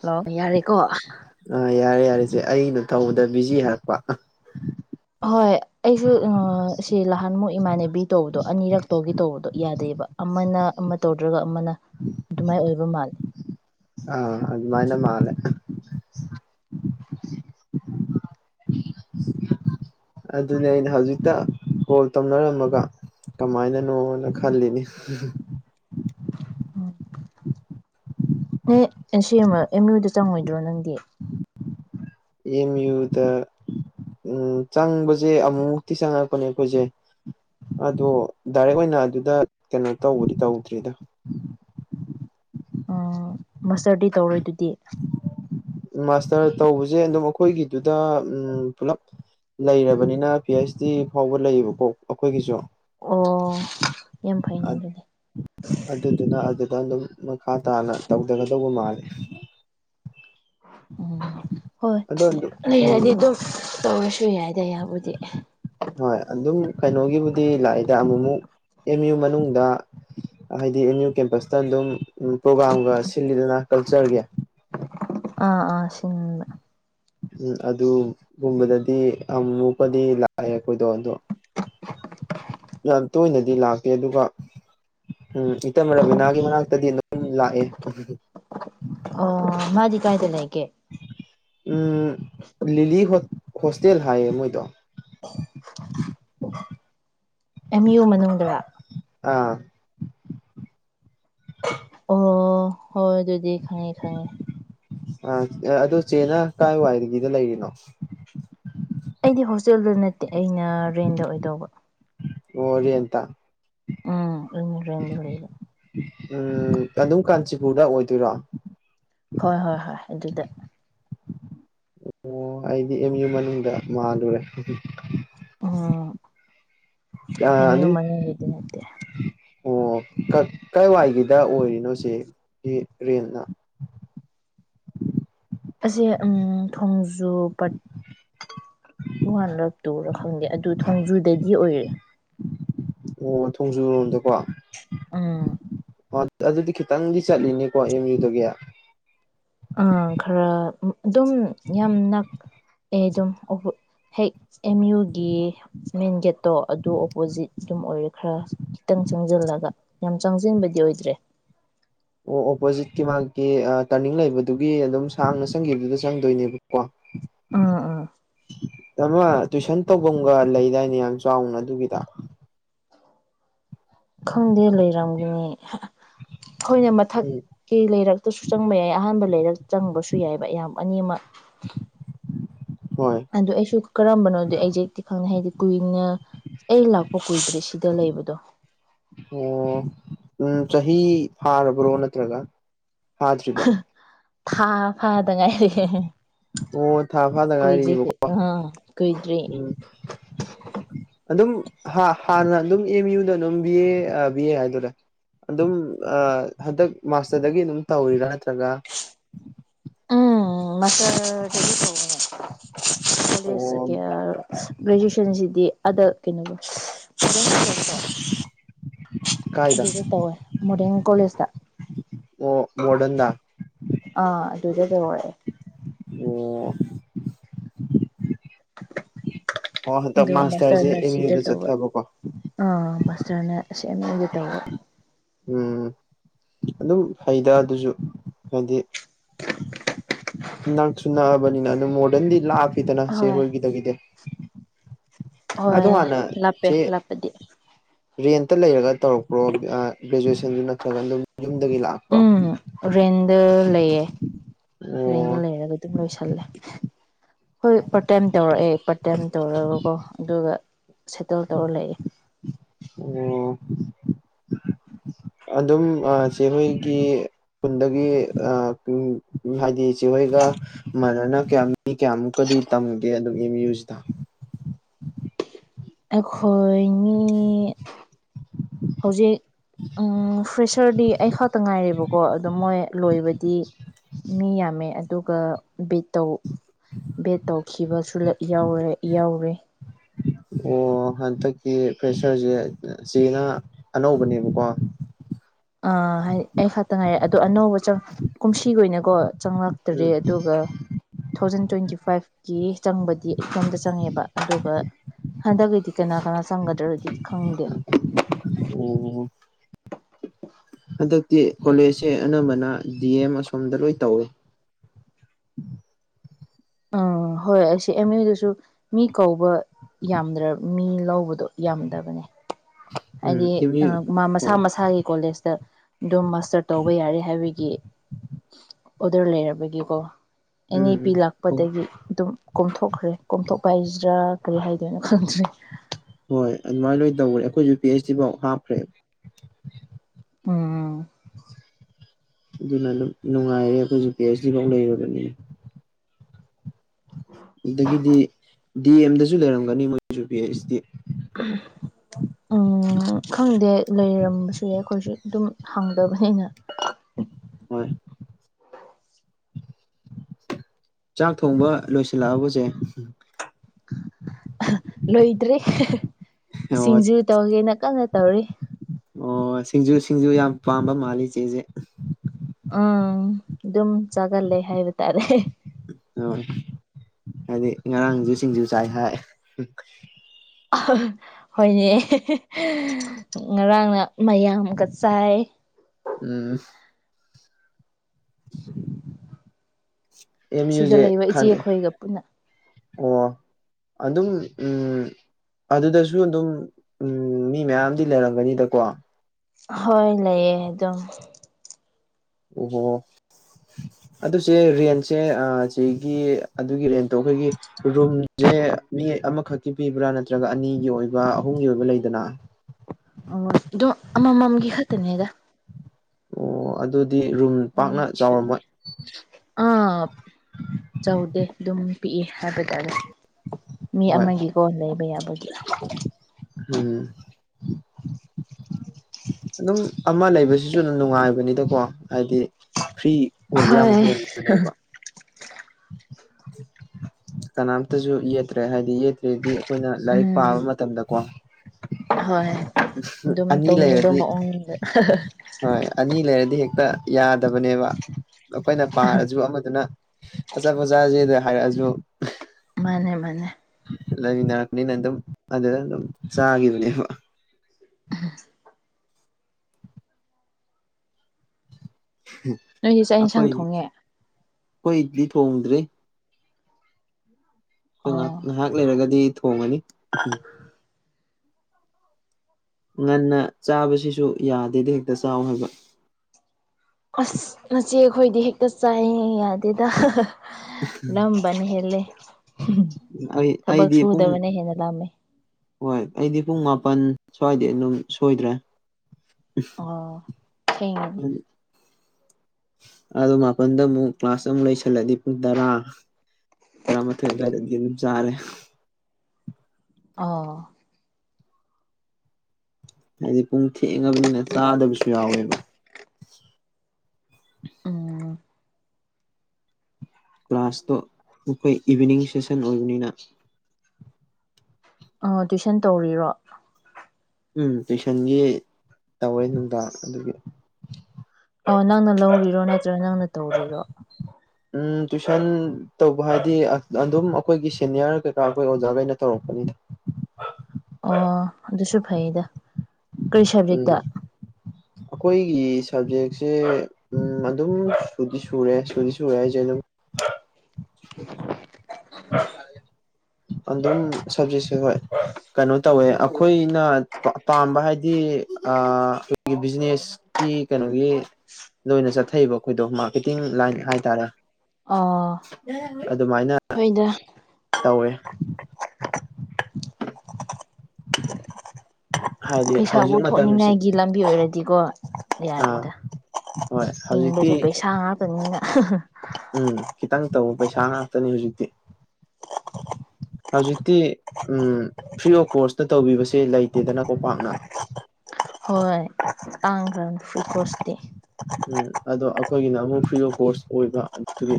hello ꯌꯥꯔꯦꯀꯣ ꯍꯥꯏꯔꯤꯁꯦ ꯑꯩꯅ ꯊꯧꯕꯗ ꯕꯤꯖꯤ ꯍꯥꯏꯔꯛꯄ ꯍꯣꯏ ꯑꯩꯁꯨ ꯁꯤ ꯂꯍꯥꯟꯃꯨꯛ ꯏꯃꯥꯟꯅꯕꯤ ꯇꯧꯕꯗꯣ ꯑꯅꯤꯔꯛꯇꯧꯒꯤ ꯇꯧꯕꯗꯣ ꯌꯥꯗꯦꯕ ꯑꯃꯅ ꯑꯃ ꯇꯧꯗ꯭ꯔꯒ ꯑꯃꯅ ꯑꯗꯨꯃꯥꯏ ꯑꯣꯏꯕ ꯃꯥꯜꯂꯦ ꯑ ꯑꯗꯨ ꯃꯥ ꯃꯥꯂꯦ [unintelligible] [unintelligible] ꯑꯗꯨꯅꯦ ꯑꯩꯅ ꯍꯧꯖꯤꯛꯇ ꯀꯣꯜ ꯇꯧꯅꯔꯝꯃꯒ ꯀꯃꯥꯏꯅꯅꯣꯅ ꯈꯜꯂꯤꯅꯤ [unintelligible] ꯎ ꯅ ꯁꯦꯝ ꯑꯃ ꯑꯦꯝ ꯌꯨꯗ ꯆꯪꯉꯣꯏꯗ꯭ꯔꯣ ꯅꯪꯗꯤ ꯑꯦꯝ ꯌꯨꯗ ꯎꯝ ꯆꯪꯕꯁꯦ ꯑꯃꯨꯃꯨꯛꯇꯤ ꯆꯪꯉꯛꯄꯅꯦ ꯑꯩꯈꯣꯏꯁꯦ ꯑꯗꯣ ꯗꯥꯏꯔꯦꯛ ꯑꯣꯏꯅ ꯑꯗꯨꯗ ꯀꯩꯅꯣ ꯇꯧꯕꯗꯤ ꯇꯧꯗ꯭ꯔꯤꯗ ꯎ ꯃꯁꯇꯔꯗꯤ ꯇꯧꯔꯣꯏ ꯑꯗꯨꯗꯤ ꯃꯥꯁꯇꯔ ꯇꯧꯕꯁꯦ ꯑꯗꯨꯝ ꯑꯩꯈꯣꯏꯒꯤꯗꯨꯗ ꯎ ꯄꯨꯂꯞ ꯂꯩꯔꯕꯅꯤꯅ ꯄꯤ ꯑꯩꯁ ꯗꯤ ꯐꯥꯎꯕ ꯂꯩꯌꯦꯕꯀꯣ ꯑꯩꯈꯣꯏꯒꯤꯁꯨ ꯑꯣ ꯌꯥꯝ ꯐꯩꯅꯦ ꯑꯗꯨꯗꯤ ꯗ ꯑꯗꯨꯝ ꯃꯈꯥ ꯇꯥꯅ ꯇꯧꯊꯒꯗꯧꯕ ꯃꯥꯜꯂꯤ ꯎꯝ ꯍꯣꯏ ꯑꯗꯣ ꯎꯝ ꯂꯩꯔꯗꯤ ꯑꯗꯨꯝ ꯇꯧꯋꯦ ꯁꯨ ꯌꯥꯏꯗ ꯍꯥꯏꯕꯨꯗꯤ ꯍꯣꯏ ꯑꯗꯨꯝ ꯀꯩꯅꯣꯒꯤꯕꯨꯗꯤ ꯂꯥꯛꯏꯗ ꯑꯃꯨꯛꯃꯨꯛ ꯑꯦꯝ ꯌꯨ ꯃꯅꯨꯡꯗ ꯍꯥꯏꯗꯤ ꯑꯦꯟ ꯌꯨ ꯀꯦꯝꯄꯁꯇ ꯑꯗꯨꯝ ꯄ꯭ꯔꯣꯒꯥ꯭ꯔꯥꯝꯒ ꯁꯤꯜꯂꯤꯗꯅ ꯀꯜꯆꯔꯒꯤ ꯑꯥ ꯑꯥ ꯁꯤ ꯎꯝ ꯑꯗꯨꯒꯨꯝꯕꯗꯗꯤ ꯑꯃꯃꯨꯛꯀꯗꯤ ꯂꯥꯛꯑꯦ ꯑꯩꯈꯣꯏꯗꯣ ꯑꯗꯣ [unintelligible] ꯌꯥꯝ ꯇꯣꯏꯅꯗꯤ ꯂꯥꯛꯇꯦ ꯑꯗꯨꯒ ꯎꯝ ꯏꯇꯝ ꯔꯥꯕꯤꯅꯥꯒꯤ ꯃꯅꯥꯛꯇꯗꯤ ꯑꯗꯨꯝ ꯂꯥꯛꯑꯦ ꯎꯝ ꯑꯣ ꯃꯥꯗꯤ ꯀꯥꯏ ꯆ ꯂꯩꯥꯏ ꯎꯝ ꯂꯤꯂꯤ ꯍꯣꯁꯇꯦꯜ ꯍꯥꯏꯌꯦ ꯃꯣꯏꯗꯣ ꯑꯦꯝ ꯌꯨ ꯃꯅꯨꯡꯗ ꯑꯥ ꯑꯣ ꯍꯣꯏ ꯑꯗꯨꯗꯤ ꯈꯪꯉꯤ ꯈꯪꯉꯤ ꯑ ꯑꯗꯨ ꯆꯦꯅ ꯀꯥꯏꯋꯥꯏꯗꯒꯤꯗ ꯂꯩꯔꯤꯅꯣ ꯑꯩꯗꯤ ꯍꯣꯁꯇꯦꯜꯗ ꯅꯠꯇꯦ ꯑꯩꯅ ꯔꯦꯟꯗ ꯑꯣꯏꯗꯧꯕ ꯑꯣꯔꯤ ꯑꯦꯇ ꯎꯝ ꯎꯝ ꯏꯪꯂꯦꯟꯗ ꯂꯩꯕ ꯑꯗꯨ ꯑꯗꯨꯝ ꯀꯥꯟꯆꯤ ꯗ ꯑꯣꯏꯗꯣꯏꯔꯣ ꯍꯣꯏ ꯍꯣꯏ ꯍꯣꯏ ꯑꯗꯨꯗ ꯑꯣ ꯑꯩꯗꯤ ꯑꯦꯝ ꯌꯨ ꯃꯅꯨꯡꯗ ꯃꯥꯂꯨꯔꯦ ꯎꯝ ꯑꯃꯤ ꯑꯗꯨꯝ ꯃꯅ ꯂꯗ ꯅ ꯑꯠꯇ ꯑꯣ ꯀꯥꯏꯋꯥꯏꯒꯤꯗ ꯑꯣꯏꯔꯤꯅꯣ ꯁꯤꯦ ꯔꯦꯟꯅ ꯑꯁꯤꯁꯦ ꯎꯝ ꯊꯣꯡꯖꯨ ꯋꯥꯟꯂ ꯇꯨꯔ ꯈꯪꯗꯦ ꯑꯗꯨ ꯊꯣꯡꯖꯨꯗꯗꯤ ꯑꯣꯏꯔꯦ ꯃ ꯊꯣꯡꯖꯔꯣꯝꯗꯀꯣ ꯎꯝ ꯑꯣ ꯑꯗꯨꯗꯤ ꯈꯤꯇꯪꯗꯤ ꯆꯠꯂꯤꯅꯤꯀꯣ ꯑꯦꯝ ꯌꯨꯗꯒꯤ ꯑ ꯈꯔ ꯑꯗꯨꯝ ꯌꯥꯝ ꯑꯩ ꯑꯗꯨꯝ ꯍꯦꯛ ꯑꯦꯝ ꯌꯨꯒꯤ ꯃꯦꯟ ꯒꯦꯠ ꯇꯣ ꯑꯗꯨ ꯑꯣꯄꯣꯖꯤꯠ ꯑꯗꯨꯝ ꯑꯣꯏꯔ ꯈꯔ ꯈꯤꯇꯪ ꯆꯪꯁꯤꯜꯂꯒ ꯌꯥꯝ ꯆꯪꯁꯤꯟꯕꯗꯤ ꯑꯣꯏꯗ꯭ꯔꯦ ꯑꯣ ꯑꯣꯄꯣꯖꯤꯠꯀꯤ ꯃꯥꯒꯤ ꯇꯔꯅꯤꯡ ꯂꯩꯕꯗꯨꯒꯤ ꯑꯗꯨꯝ ꯁꯥꯡꯅ ꯆꯪꯈꯤꯕꯗꯨꯗ ꯆꯪꯗꯣꯏꯅꯦꯕꯀꯣ ꯑ ꯑꯥ ꯇꯃ ꯇꯨꯏꯁꯟ ꯇꯧꯐꯝꯒ ꯂꯩꯗꯥꯏꯅꯦ ꯌꯥꯝ ꯆꯥꯎꯅ ꯑꯗꯨꯒꯤꯗ ꯈꯪꯗꯦ ꯂꯩꯔꯝꯒꯅꯤ ꯑꯩꯈꯣꯏꯅ ꯎꯝ ꯃꯊꯛꯀꯤ ꯂꯩꯔꯛꯇꯁꯨ ꯆꯪꯕ ꯌꯥꯏ ꯑꯍꯥꯟꯕ ꯂꯩꯔꯛꯇ ꯆꯪꯕꯁꯨ ꯌꯥꯏꯑꯕ ꯌꯥꯝꯌꯥꯝ ꯑꯅꯤ ꯑꯃ ꯍꯣꯏ ꯑꯗꯨ ꯑꯩꯁꯨ ꯀꯔꯝꯕꯅꯣꯗꯤ ꯑꯩꯁꯦꯛꯇꯤ ꯈꯪꯅꯩ ꯍꯥꯏꯗꯤ ꯀꯨꯏꯅ ꯑꯩ ꯂꯥꯛꯄ ꯀꯨꯏꯗ꯭ꯔꯦ ꯁꯤꯗ ꯂꯩꯕꯗꯣ ꯑꯣ ꯎꯝ ꯆꯍꯤ ꯐꯥꯔꯕ꯭ꯔꯣ ꯅꯠꯇ꯭ꯔꯒ ꯐꯥꯗ꯭ꯔꯤꯕꯣ ꯊꯥ ꯐꯥꯗ ꯉꯥꯏꯔꯤ ꯑꯣ ꯊꯥ ꯐꯥꯗ ꯀꯨꯏꯗ꯭ꯔꯤ ꯀꯨꯏ ꯉꯥꯏꯔꯕꯀꯣ ꯑꯥ ꯀꯨꯏꯗ꯭ꯔꯤ ꯎꯝ ꯑꯗꯨꯝ ꯍꯥꯟꯅ ꯑꯗꯨꯝ ꯑꯦꯝ ꯌꯨꯗ ꯑꯗꯨꯝ ꯕꯤ ꯑꯦ ꯕꯤ ꯑꯦ ꯍꯥꯏꯗꯔꯦ ꯑꯗꯨꯝ ꯍꯟꯗꯛ ꯃꯥꯔꯁꯇꯗꯒꯤ ꯑꯗꯨꯝ ꯇꯧꯔꯤꯔꯥ ꯅꯠꯇ꯭ꯔꯒ ꯎꯝ ꯃꯦ ꯀꯣꯂꯦꯖ ꯑꯣ ꯒ꯭ꯔꯦꯖꯨꯦꯁꯟꯁꯤꯗꯤ ꯑꯗꯛ ꯀꯩꯅꯣꯕꯨ ꯀꯥꯏꯗ ꯑꯗꯨꯗꯤ ꯇꯧꯋꯦ ꯃꯣꯔꯡ ꯀꯣꯂꯦꯖ [unintelligible] ꯑꯣ ꯃꯣꯗꯔꯟꯗ ꯑꯥ ꯑꯗꯨꯔꯗꯣꯡꯂꯦ ꯑꯣ ꯑꯣ ꯍꯟꯗꯛ ꯑꯗꯨ ꯃꯥꯁꯇꯔꯁꯦ ꯃꯁꯔꯅ ꯑꯦꯝ ꯁꯤꯗ ꯌꯨꯗ ꯇꯧꯕ ꯑꯁ ꯆꯠꯊꯕꯀꯣ ꯏꯁꯟꯇꯔꯅꯦ ꯑꯁꯤꯒꯦ ꯇꯧꯕ ꯎꯝ ꯑꯗꯨꯝ ꯍꯩꯗ ꯑꯗꯨꯁꯨ ꯍꯥꯏꯗꯤ [inaudible] ꯅꯛꯁꯨ ꯅꯛꯑꯕꯅꯤꯅ ꯑꯗꯨꯝ ꯃꯣꯗꯔꯟꯗꯤ ꯂꯥꯛꯑ ꯐꯗꯅ ꯁꯤ ꯍꯣꯏ ꯍꯣꯏꯒꯤꯗꯒꯤꯗꯤ ꯑꯗꯣ ꯍꯣꯏ ꯍꯥꯟꯅ ꯂꯥꯞꯄꯦ ꯆꯦ ꯂꯥꯞꯄꯗꯤ ꯔꯦꯟꯇ ꯂꯩꯔꯒ ꯇꯧꯔꯛꯄ꯭ꯔꯣ ꯒ꯭ꯔꯦꯖꯨꯑꯦꯁꯟꯒꯤ ꯅꯠꯇ꯭ꯔꯒ ꯑꯗꯨꯝ ꯌꯨꯝꯗꯒꯤ ꯂꯥꯛꯄ꯭ꯔꯣ ꯑꯣ ꯍꯣꯔꯦꯟꯗ ꯂꯩꯔꯒ ꯑꯗꯨꯝ ꯂꯣꯏꯁꯜꯂꯦ ꯍꯣꯏ ꯄꯔꯇꯦꯝ ꯇꯧꯔꯛꯑꯦ ꯄꯔꯇꯦꯝ ꯇꯧꯔꯒꯀꯣ ꯑꯗꯨꯒ ꯁꯦꯇꯜ ꯇꯧꯔ ꯂꯑꯦ ꯑꯣ ꯑꯗꯨꯝ [unintelligible] ꯍꯣꯏꯒꯤ ꯈꯨꯟꯗꯒꯤ ꯎ ꯍꯥꯏꯗꯤ ꯆꯖꯤꯍꯣꯏꯒ ꯃꯥꯟꯅꯅ ꯀꯌꯥ ꯃꯤ ꯀꯌꯥꯃꯨꯛꯀ ꯗꯤ ꯇꯝꯒꯦ ꯑꯗꯨꯝꯒꯤ ꯃ꯭ꯌꯨꯁꯇ ꯑꯩꯈꯣꯏ ꯃꯤ ꯍꯧꯖꯤꯛ ꯎꯝ ꯐ꯭ꯔꯦꯁꯔꯗꯤ ꯑꯩ ꯈꯥꯛꯇ ꯉꯥꯏꯔꯦꯕꯀꯣ ꯑꯗꯣ ꯃꯣꯏ ꯂꯣꯏꯕꯗꯤ ꯃꯤ ꯌꯥꯝꯃꯦ ꯑꯗꯨꯒ ꯕꯦꯠ ꯇꯧ ꯕꯦꯠ ꯇꯧꯈꯤꯕꯁꯨ ꯌꯥꯎꯔꯦ ꯌꯥꯎꯔꯦ ꯑ ꯑꯣ ꯍꯟꯗꯛꯀꯤ ꯐ꯭ꯔꯦꯁꯔꯁꯦ ꯆꯦꯅ ꯑꯅꯧꯕꯅꯦꯕꯀꯣ ꯑ ꯍꯥꯏꯗꯤ ꯑꯩ ꯈꯛꯇ ꯉꯥꯏꯔꯑꯦ ꯑꯗꯣ ꯑꯅꯧꯕ ꯆꯪ ꯀꯨꯝꯁꯤꯒꯤ ꯑꯣꯏꯅꯀꯣ ꯆꯪꯂꯛꯇꯔꯦ ꯎꯝ ꯑꯗꯨꯒ ꯇꯨ ꯊꯥꯎꯖꯟ ꯇ꯭ꯋꯦꯟꯇꯤ ꯐꯥꯏꯚ ꯀ ꯆꯪꯕꯗꯤ ꯏꯇꯣꯝꯇ ꯆꯪꯉꯦꯕ ꯑꯗꯨꯒ ꯍꯟꯗꯛꯀꯤꯗꯤ ꯀꯅꯥ ꯀꯅꯥ ꯆꯪꯒꯗ꯭ꯔꯗꯤꯗꯤ ꯈꯪꯗꯦ ꯑꯣ ꯍꯟꯗꯛꯇꯤ ꯀꯣꯂꯦꯖꯁꯦ ꯑꯅꯝꯕꯅ ꯗꯤ ꯑꯦꯝ ꯑꯁꯣꯝꯗ ꯂꯣꯏ ꯇꯧꯏ [inaudible] ꯎꯝ ꯍꯣꯏ ꯑꯁꯤ ꯑꯦꯝ ꯌꯨꯗꯁꯨ ꯃꯤ ꯀꯧꯕ ꯌꯥꯝꯗ꯭ꯔ ꯃꯤ ꯂꯧꯕꯗꯣ ꯌꯥꯝꯗꯕꯅꯦ ꯎꯝ ꯍꯥꯏꯗꯤ ꯑꯦꯝ ꯑ ꯌꯨ ꯃꯁꯥ ꯍꯣꯏ ꯃꯁꯥꯒꯤ ꯀꯣꯂꯦꯖꯇ ꯑꯗꯨꯝ ꯃꯁꯇꯔ ꯇꯧꯕ ꯌꯥꯔꯦ ꯍꯥꯏꯕꯒꯤ ꯑꯣꯗꯔ ꯂꯩꯔꯕꯒꯤꯀꯣ ꯑꯦꯅꯤ ꯄꯤ ꯎꯝ ꯂꯥꯛꯄꯗꯒꯤ ꯑꯗꯨꯝ ꯀꯣꯝꯊꯣꯛꯈ꯭ꯔꯦ ꯀꯣꯝꯊꯣꯛꯄ ꯍꯥꯏꯁꯤ ꯀꯔꯤ ꯍꯥꯏꯗꯣꯏꯅꯣ ꯈꯪꯗ꯭ꯔꯦ ꯍꯣꯏ ꯑꯗꯨꯃꯥꯏꯅ ꯂꯣꯏꯅ ꯇꯧꯕꯅꯤ ꯑꯩꯈꯣꯏꯁꯨ ꯄꯤ ꯑꯩꯆ ꯗꯤꯐꯥꯎ ꯍꯥꯞꯈ꯭ꯔꯦ ꯎꯝ ꯑꯗꯨꯅ ꯑꯗꯨꯝ ꯅꯨꯡꯉꯥꯏꯔꯦ ꯑꯩꯈꯣꯏꯁꯨ ꯄꯤ ꯑꯩꯆ ꯗꯤ ꯐꯥꯎ ꯂꯩꯔꯕꯅꯤ ꯑꯗꯨꯗꯒꯤꯗꯤ ꯗꯤ ꯑꯦꯝꯗꯁꯨ ꯂꯩꯔꯝꯒꯅꯤ ꯃꯣꯏꯁꯨ ꯄꯤ ꯑꯩꯆ ꯗꯤ ꯑꯣꯝ ꯎ ꯈꯪꯗꯦ ꯂꯩꯔꯝꯕꯁꯨ ꯌꯥꯏ ꯑꯩꯈꯣꯏꯁꯨ ꯑꯗꯨꯝ ꯍꯥꯡꯗꯕꯅꯤ ꯑꯩꯅ ꯍꯣꯏ ꯆꯥꯛ ꯊꯣꯡꯕ ꯂꯣꯏꯁꯤꯜꯂꯛꯑꯕꯁꯦ ꯂꯣꯏꯗ꯭ꯔꯦ ꯑꯣ ꯁꯤꯡꯖꯨ ꯇꯧꯒꯦꯅ ꯀꯟꯅ ꯇꯧꯔꯤ ꯑꯣ ꯁꯤꯡꯖꯨ ꯁꯤꯡꯖꯨ ꯌꯥꯝ ꯄꯥꯝꯕ ꯃꯥꯜꯂꯤ ꯏ ꯆꯦꯁꯦ ꯎꯝ ꯑꯗꯨꯝ ꯆꯥꯒꯜꯂꯦ ꯍꯥꯏꯕ ꯇꯥꯔꯦ ꯍꯣꯏ ꯍꯥꯏꯗꯤ ꯉꯔꯥꯡꯁꯨ ꯁꯤꯡꯖꯨ ꯆꯥꯏ ꯍꯥꯏ ꯍꯣꯏꯅꯦ ꯉꯔꯥꯡꯅ ꯃꯌꯥꯝ ꯑꯃꯨꯀ ꯆꯥꯏ ꯎꯝ ꯎꯝ ꯑꯦꯝ ꯁꯤꯗ ꯌꯨꯁꯦ ꯂꯩꯕ ꯈꯪꯗꯦ ꯏꯆꯦꯈꯣꯏꯒ ꯄꯨꯟꯅ ꯑꯣ ꯑꯗꯨꯝ ꯎꯝ ꯑꯗꯨꯗꯁꯨ ꯑꯗꯨꯝ ꯎ ꯃꯤ ꯃꯌꯥꯝꯗꯤ ꯂꯩꯔꯝꯒꯅꯤꯗꯀꯣ ꯍꯣꯏ ꯂꯩꯑꯦ ꯑꯗꯨꯝ ꯎꯝ ꯑꯗꯨꯁꯦ ꯔꯦꯟꯁꯦ ꯁꯤꯒꯤ ꯑꯗꯨꯒꯤ ꯔꯦꯟꯇꯣ ꯑꯩꯈꯣꯏꯒꯤ ꯔꯨꯝꯁꯦ ꯃꯤ ꯑꯃꯈꯛꯀꯤ ꯄꯤꯕ꯭ꯔꯥ ꯅꯠꯇ꯭ꯔꯒ ꯑꯅꯤꯒꯤ ꯑꯣꯏꯕ ꯑꯍꯨꯝꯒꯤ ꯑꯣꯏꯕ ꯂꯩꯗꯅ ꯑꯣ ꯑꯗꯨꯝ ꯑꯃꯃꯝꯒꯤ ꯈꯛꯇꯅꯦꯗ ꯑꯣ ꯑꯗꯨꯗꯤ ꯔꯨꯝ ꯄꯥꯛꯅ ꯑꯅꯤꯗꯤ ꯁꯨꯗꯦ ꯆꯥꯎꯔꯝꯃꯣꯏ ꯑꯥ ꯆꯥꯎꯧꯗꯦ ꯑꯗꯨꯝ ꯄꯤꯛꯑ ꯍꯥꯏꯕ ꯇꯥꯔꯦ ꯃꯤ ꯍꯣꯏ ꯑꯃꯒꯤꯀꯣ ꯂꯩꯕ ꯌꯥꯕꯒꯤ ꯎꯝ ꯑꯗꯨꯝ ꯑꯃ ꯂꯩꯕꯁꯤꯁꯨ ꯑꯗꯨꯝ ꯅꯨꯡꯉꯥꯏꯕꯅꯤꯗꯀꯣ ꯍꯥꯏꯗꯤ ꯐ꯭ꯔꯤ ꯑꯣꯏꯕ ꯌꯥꯝ ꯍꯣꯏ ꯍꯦꯟꯕꯅꯦꯕ [unintelligible] ꯀꯅꯥꯝꯇꯁꯨ ꯌꯦꯠꯇ꯭ꯔꯦ ꯍꯥꯏꯕꯗꯤ ꯌꯦꯠꯇ꯭ꯔꯦꯗꯤ ꯑꯩꯈꯣꯏꯅ ꯂꯥꯏꯔꯤꯛ ꯄꯥꯕ ꯎꯝ ꯃꯇꯝꯗꯀꯣ ꯍꯣꯏ ꯑꯗꯨꯝ ꯑꯅꯤ ꯇꯧꯅꯤꯡꯕ ꯂꯩꯔꯗꯤ ꯃꯑꯣꯡꯗ ꯍꯣꯏ ꯑꯅꯤ ꯂꯩꯔꯗꯤ ꯍꯦꯛ ꯌꯥꯗꯕꯅꯦꯕ ꯑꯩꯈꯣꯏꯅ ꯄꯥꯔꯁꯨ ꯑꯃꯗꯨꯅ ꯑꯆꯥꯄꯣꯠꯆꯥꯁꯤꯗ ꯍꯥꯏꯔꯛꯑꯁꯨ ꯃꯥꯅꯦ ꯃꯥꯅꯦ ꯂꯩꯃꯤꯟꯅꯔꯛꯄꯅꯤꯅ ꯑꯗꯨꯝ ꯑꯗꯨꯗ ꯑꯗꯨꯝ ꯆꯥꯈꯤꯕꯅꯦꯕ ꯑ ꯅꯣꯏꯁ ꯆꯥꯛ ꯌꯦꯟꯁꯥꯡ ꯊꯣꯡꯉꯦ ꯑꯩꯈꯣꯏ ꯏꯗꯗꯤ ꯐꯣꯡꯗ꯭ꯔꯤ ꯑꯩꯈꯣꯏ ꯉꯥꯏꯍꯥꯛ ꯑꯣ ꯉꯥꯏꯍꯥꯛ ꯂꯩꯔꯒꯗꯤ ꯊꯣꯡꯉꯅꯤ ꯎ ꯉꯟꯅ ꯆꯥꯕꯁꯤꯁꯨ ꯌꯥꯗꯦꯗ ꯍꯦꯛꯇ ꯆꯥꯎ ꯍꯥꯏꯕ ꯑꯁ ꯉꯆꯦ ꯑꯩꯈꯣꯏꯗꯤ ꯍꯦꯛꯇ ꯆꯥꯏꯌꯦ ꯌꯥꯗꯦꯗ ꯅꯝꯕꯅ ꯍꯦꯜꯂꯦ ꯑꯩ ꯊꯕꯛ ꯑꯩꯗꯤ ꯄꯨꯡ ꯁꯨꯗꯕꯅ ꯍꯦꯟꯅ ꯂꯥꯝꯃꯦ ꯍꯣꯏ ꯑꯩꯗꯤ ꯄꯨꯡ ꯃꯥꯄꯜ ꯁ꯭ꯋꯥꯏꯗꯤ ꯑꯗꯨꯝ ꯁꯣꯏꯗ꯭ꯔꯦ ꯑꯣ ꯊꯅꯦ ꯑꯗꯨ ꯃꯥꯄꯜꯗ ꯑꯃꯨꯛ ꯀ꯭ꯂꯥꯁ ꯑꯃꯨꯛ ꯂꯩꯁꯜꯂꯛꯗꯤ ꯄꯨꯡ ꯇꯔꯥ ꯇꯔꯥꯃꯥꯊꯣꯏ ꯑꯗꯨꯋꯥꯏꯗꯗꯤ ꯑꯗꯨꯝ ꯆꯥꯔꯦ ꯑꯥ ꯍꯥꯏꯗꯤ ꯄꯨꯡ ꯊꯦꯡꯉꯕꯅꯤꯅ ꯆꯥꯗꯕꯁꯨ ꯌꯥꯎꯋꯦꯕ ꯎꯝ ꯀ꯭ꯂꯥꯁꯇꯣ ꯑꯩꯈꯣꯏ ꯏꯚꯤꯅꯤꯡ ꯁꯦꯁꯟ ꯑꯣꯏꯕꯅꯤꯅ ꯑ ꯇꯨꯋꯏꯁꯟ ꯇꯧꯔꯤꯔꯣ ꯎꯝ ꯇꯨꯏꯁꯟꯒꯤ ꯇꯧꯋꯦ ꯅꯨꯡꯗꯥꯡ ꯑꯗꯨꯒꯤ ꯑꯣ ꯅꯪꯅ ꯂꯧꯔꯤꯔꯣ ꯅꯠꯇ꯭ꯔꯥ ꯅꯪꯅ ꯇꯧꯔꯤꯔꯣ ꯎꯝ ꯇꯨꯏꯁꯟ ꯇꯧꯕ ꯍꯥꯏꯗꯤ ꯑꯗꯨꯝ ꯑꯩꯈꯣꯏꯒꯤ ꯁꯦꯅꯤꯌꯔ ꯀꯩꯀꯥ ꯑꯩꯈꯣꯏ ꯑꯣꯖꯥꯈꯩꯅ ꯇꯧꯔꯛ ꯄꯗ ꯑꯣ ꯑꯗꯨꯁꯨ ꯐꯩꯗ ꯀꯔꯤ ꯎꯝ ꯁꯕꯖꯦꯛꯇ ꯀꯣꯏ ꯁꯕꯖꯦꯛꯁꯦ ꯎꯝ ꯑꯗꯨꯝ ꯁꯨꯗꯤ ꯁꯨꯔꯦ ꯁꯨꯗꯤ ꯁꯨꯔꯦ ꯍꯥꯏꯁꯦ ꯑꯗꯨꯝ [unintelligible] ꯑꯗꯨꯝ ꯁꯕꯖꯦꯛꯁꯦ ꯍꯣꯏ ꯀꯩꯅꯣ ꯇꯧꯋꯦ ꯑꯩꯈꯣꯏꯅ ꯄꯥꯝꯕ ꯍꯥꯏꯗꯤ ꯑ ꯑꯩꯈꯣꯏꯒꯤ ꯕꯤꯖꯤꯅꯦꯁꯀꯤ ꯀꯩꯅꯣꯒꯤ ꯂꯣꯏꯅ ꯆꯠꯊꯩꯑꯕ ꯑꯩꯈꯣꯏꯗꯣ ꯃꯥꯔꯀꯦꯇꯤꯡ ꯂꯥꯏꯟ ꯍꯥꯏꯇꯥꯔꯦ ꯑꯣ ꯑꯗꯨꯃꯥꯏꯅ ꯍꯣꯏꯗ ꯇꯧꯋꯦ ꯍꯥꯏꯗꯤ ꯄꯩꯁꯥꯕꯨ ꯍꯧꯖꯤꯛ ꯃꯇꯝꯁꯤ ꯊꯣꯛꯅꯤꯡꯉꯥꯏꯒꯤ ꯂꯝꯕꯤ ꯑꯣꯏꯔꯗꯤꯀꯣ ꯌꯥꯔꯤꯗ ꯑꯥ ꯍꯣꯏ ꯍꯧꯖꯤꯛꯇꯤ ꯍꯤꯡꯕꯁꯦ ꯄꯩꯁꯥ ꯉꯥꯛꯇꯅꯤꯅ ꯎꯝ ꯈꯤꯇꯪ ꯇꯧꯕ ꯄꯩꯁꯥ ꯉꯥꯛꯇꯅꯤ ꯍꯧꯖꯤꯛꯇꯤ [unintelligible] ꯍꯧꯖꯤꯛꯇꯤ ꯎꯝ ꯐ꯭ꯔꯤ ꯑꯣꯐ ꯀꯣꯁꯇ ꯇꯧꯕꯤꯕꯁꯦ ꯂꯩꯇꯦꯗꯅꯀꯣ ꯄꯥꯛꯅ ꯍꯣꯏ ꯇꯥꯡꯈ꯭ꯔ ꯐꯨꯀꯣꯁꯇꯦ ꯎꯝ ꯑꯗꯣ ꯑꯩꯈꯣꯏꯒꯤꯅ ꯑꯃꯨꯛ ꯐ꯭ꯔꯤ ꯑꯣꯐ ꯀꯣꯁ ꯑꯣꯏꯕ ꯑꯗꯨꯒꯤ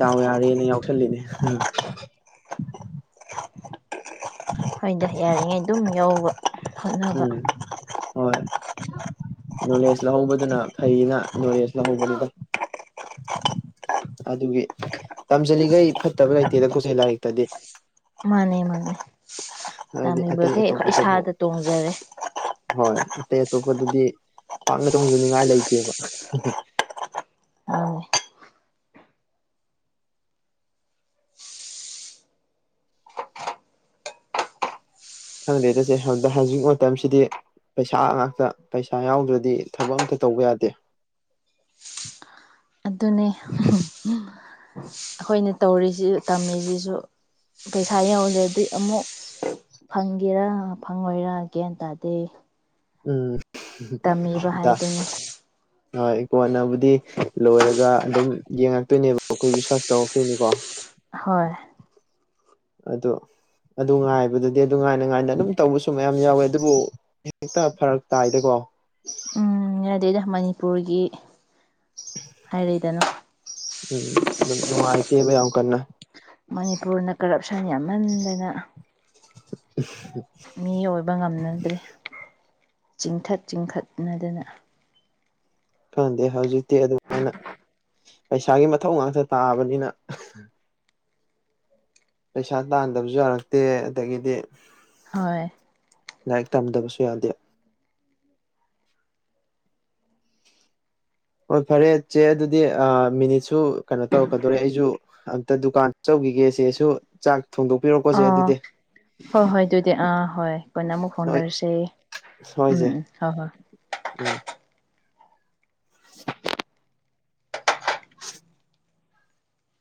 ꯗꯥꯎ ꯌꯥꯔꯦꯅ ꯌꯥꯎꯁꯜꯂꯤꯅꯦ ꯈꯣꯏꯏꯗ ꯌꯥꯔꯤꯉꯩ ꯑꯗꯨꯝ ꯌꯧꯕ ꯍꯣꯠꯅꯕ ꯎꯝ ꯍꯣꯏ ꯅꯣꯂꯦꯖ ꯂꯧꯍꯧꯕꯗꯨꯅ ꯐꯩꯌꯦꯅ ꯅꯣꯂꯦꯖ ꯂꯧꯍꯧꯕꯅꯤꯗ ꯑꯗꯨꯒꯤ ꯇꯝꯖꯂꯤꯈꯩ ꯐꯠꯇꯕ ꯂꯩꯇꯦ ꯅꯪ ꯀꯣꯁꯩ ꯂꯥꯏꯔꯤꯛꯇꯗꯤ ꯃꯥꯅꯦ ꯃꯥꯅꯦ ꯍꯥꯏꯗꯤ ꯑꯇꯩ ꯇꯝꯃꯤꯕꯈꯩ ꯑꯩꯈꯣꯏ ꯑꯇꯣꯞꯄꯗꯕꯨ ꯏꯁꯥꯗ ꯇꯣꯡꯖꯔꯦ ꯍꯣꯏ ꯑꯇꯩ ꯑꯇꯣꯞꯄꯗꯗꯤ ꯄꯥꯛꯅ ꯊꯣꯡꯖꯅꯤꯡꯉꯥꯏ ꯂꯩꯇꯦꯕ ꯑꯅꯦ ꯈꯪꯗꯦ ꯇꯁꯦꯗ ꯍꯧꯖꯤꯛ ꯃꯇꯝꯁꯤꯗꯤ ꯄꯩꯁꯥ ꯉꯥꯛꯇ ꯄꯩꯁꯥ ꯌꯥꯎꯗ꯭ꯔꯗꯤ ꯊꯕꯛ ꯑꯝꯇ ꯇꯧꯕ ꯌꯥꯗꯦ [unintelligible] ꯑꯗꯨꯅꯦ ꯑꯩꯈꯣꯏꯅ ꯇꯧꯔꯤꯁꯤ ꯇꯝꯃꯤꯁꯤꯁꯨ ꯄꯩꯁꯥ ꯌꯧꯗ꯭ꯔꯗꯤ ꯑꯃꯨꯛ ꯐꯪꯒꯦꯔꯥ ꯐꯪꯉꯣꯏꯔ ꯒ꯭ꯌꯥꯟ ꯇꯥꯗꯦ ꯇꯝꯃꯤꯕ ꯎꯝꯗ ꯍꯥꯏꯗꯨꯅꯤ ꯍꯣꯏ ꯀꯣꯟꯅꯕꯨꯗꯤ ꯂꯣꯏꯔꯒ ꯑꯗꯨꯝ ꯌꯦꯡꯉꯛꯇꯣꯏꯅꯦꯕ ꯑꯩꯈꯣꯏꯁꯨ ꯁꯔꯁ ꯇꯧꯔꯛꯇꯣꯏꯅꯤꯀꯣ ꯍꯣꯏ ꯑꯗꯣ ꯑꯗꯨ ꯉꯥꯏꯕꯗꯗꯤ ꯑꯗꯨ ꯉꯥꯏꯅ ꯉꯥꯏꯅ ꯑꯗꯨꯝ ꯇꯧꯕꯁꯨ ꯃꯌꯥꯝ ꯌꯥꯎꯋꯦ ꯑꯗꯨꯕꯨ ꯍꯦꯛꯇ ꯐꯔꯛ ꯇꯥꯏꯗꯀꯣ ꯎꯝ ꯑꯗꯨꯗ ꯃꯅꯤꯄꯨꯔꯒꯤ ꯍꯥꯏꯔꯛꯏꯗꯅ ꯎꯝ ꯑꯗꯨꯝ ꯅꯨꯡꯉꯥꯏꯇꯦꯕ ꯌꯥꯝ ꯀꯟꯅ ꯃꯅꯤꯄꯨꯔꯅ ꯀꯔꯞꯁꯟ ꯌꯥꯝꯍꯟꯗꯅ [unintelligible] ꯃꯤ ꯑꯣꯏꯕ ꯉꯝꯅꯗ꯭ꯔꯦ ꯆꯤꯡꯊꯠ ꯆꯤꯡꯈꯠꯅꯗꯅ ꯈꯪꯗꯦ ꯍꯧꯖꯤꯛꯇꯤ ꯑꯗꯨꯃꯥꯏꯅ ꯄꯩꯁꯥꯒꯤ ꯃꯊꯧ ꯉꯥꯛꯇ ꯇꯥꯕꯅꯤꯅ ꯄꯩꯁꯥ ꯇꯥꯟꯗꯕꯁꯨ ꯌꯥꯔꯛꯇꯦ ꯑꯗꯒꯤꯗꯤ ꯍꯣꯏ ꯂꯥꯏꯔꯤꯛ ꯇꯝꯗꯕꯁꯨ ꯌꯥꯗꯦ ꯍꯣꯏ ꯐꯔꯦ ꯏ ꯆꯦ ꯑꯗꯨꯗꯤ ꯃꯤꯅꯤꯠꯁꯨ ꯀꯩꯅꯣ ꯇꯧꯔꯛꯀꯗꯧꯣꯔꯦ ꯑꯩꯁꯨ ꯑꯝꯇ ꯗꯨꯀꯥꯟ ꯒꯦꯁꯦꯁꯨ ꯆꯥꯛ ꯊꯣꯡꯗꯣꯛꯄꯤꯔꯣꯀꯣ ꯆꯦ ꯑꯥ ꯑꯗꯨꯗꯤ ꯍꯣꯏ ꯍꯣꯏ ꯑꯗꯨꯗꯤ ꯑꯥ ꯍꯣꯏ ꯀꯣꯏꯅ ꯑꯃꯨꯛ ꯍꯣꯏ ꯍꯣꯡꯅꯔꯁꯦ ꯍꯣꯏ ꯎꯝ ꯆꯦ ꯍ ꯍꯣꯏ ꯎꯝ